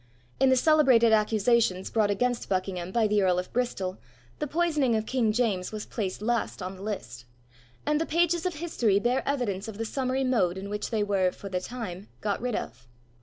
In the celebrated accusations brought against Buckingham by the Earl of Bristol, the poisoning of King James was placed last on the list; and the pages of history bear evidence of the summary mode in which they were, for the time, got rid of.